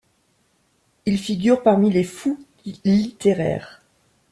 Il figure parmi les fous littéraires.